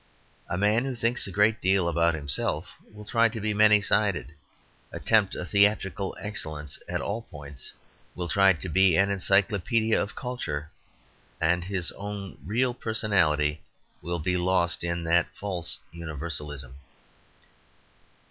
A man who thinks a great deal about himself will try to be many sided, attempt a theatrical excellence at all points, will try to be an encyclopaedia of culture, and his own real personality will be lost in that false universalism.